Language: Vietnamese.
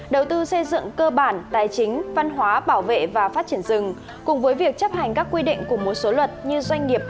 đầu tư xây dựng cơ bản tài chính văn hóa bảo vệ và phát triển rừng cùng với việc chấp hành các quy định của một số luật như doanh nghiệp